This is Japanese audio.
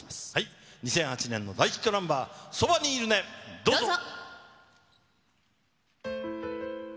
２００８年の大ヒットナンバー、そばにいるね、どうぞ。